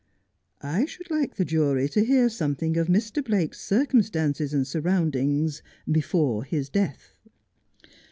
I should like the jury to hear some thing of Mr. Blake's circumstances and surroundings before his death.'